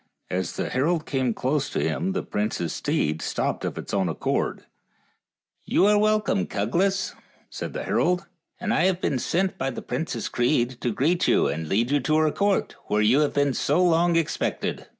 As the herald came close to him the prince's steed stopped of his own accord. " You are welcome, Cuglas," said the herald, " and I have been sent by the Princess Crede to greet you and to lead you to her court, where you have been so long expected."